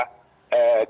dan yang ketiga adalah